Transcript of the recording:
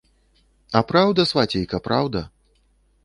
А праўда, свацейка, праўда.